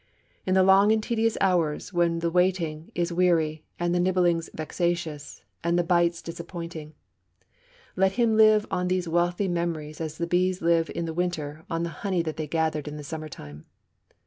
In the long and tedious hours when the waiting is weary, and the nibblings vexatious, and the bites disappointing, let him live on these wealthy memories as the bees live in the winter on the honey that they gathered in the summer time.